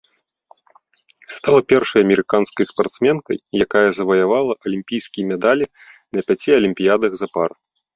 Стала першай амерыканскай спартсменкай, якая заваявала алімпійскія медалі на пяці алімпіядах запар.